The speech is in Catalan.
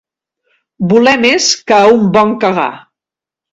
Voler més que a un bon cagar.